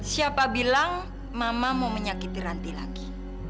siapa bilang mama mau menyakiti ranti lagi